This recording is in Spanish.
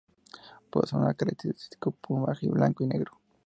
Posee un característico plumaje blanco y negro.